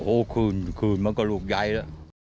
โอ้คลื่นคลื่นมันก็ลูกใยแล้ว